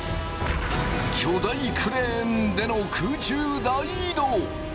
巨大クレーンでの空中大移動！